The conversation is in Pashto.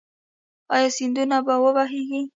آیا سیندونه به و بهیږي؟